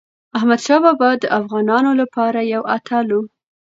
احمدشاه بابا د افغانانو لپاره یو اتل و.